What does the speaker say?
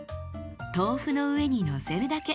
豆腐の上にのせるだけ。